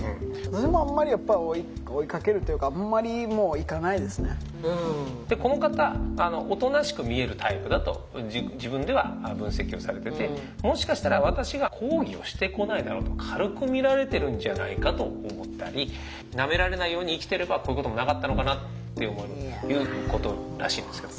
私もあんまりやっぱり追いかけるというかでこの方おとなしく見えるタイプだと自分では分析をされててもしかしたら私が「抗議をしてこないだろう」と軽くみられてるんじゃないかと思ったりなめられないように生きてればこういうこともなかったのかなっていう思いもということらしいんですけど。